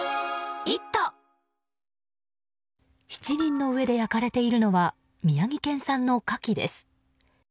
七輪の上で焼かれているのは宮城県産のカキです。